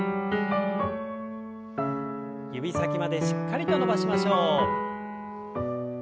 指先までしっかりと伸ばしましょう。